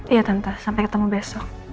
iya tanpa sampai ketemu besok